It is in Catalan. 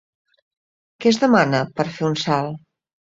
Què es demana per fer un salt?